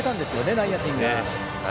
内野陣が。